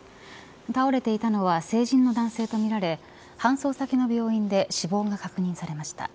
倒れていたのは成人の男性とみられ搬送先の病院で死亡が確認されました。